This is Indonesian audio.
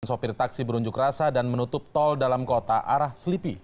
sopir taksi berunjuk rasa dan menutup tol dalam kota arah selipi